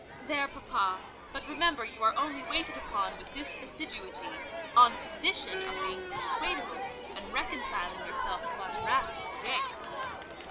"There, papa: but remember you are only waited upon with this assiduity; on condition of being persuadable, and reconciling yourself to La Terrasse for the day."